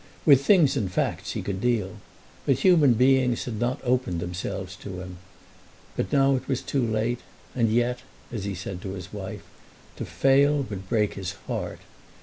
With things and facts he could deal, but human beings had not opened themselves to him. But now it was too late! and yet, as he said to his wife, to fail would break his heart!